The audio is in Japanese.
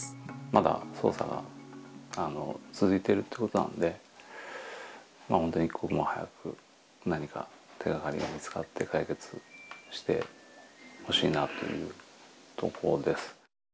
まだ捜査が続いているということなので一刻も早く手掛かりが見つかって解決してほしいなというところです。